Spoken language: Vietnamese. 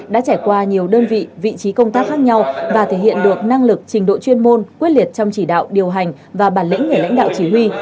đã trải qua nhiều đơn vị vị trí công tác khác nhau và thể hiện được năng lực trình độ chuyên môn quyết liệt trong chỉ đạo điều hành và bản lĩnh người lãnh đạo chỉ huy